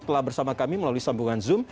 telah bersama kami melalui sambungan zoom